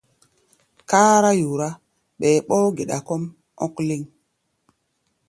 Kárá yorá, ɓɛɛ ɓɔ́ɔ́-geda kɔ́ʼm ɔ̧́k léŋ.